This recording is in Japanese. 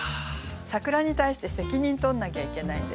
「桜」に対して責任とんなきゃいけないんですよ。